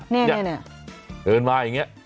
เนี่ยเนี่ยเนี่ยเดินมาอย่างเงี้ย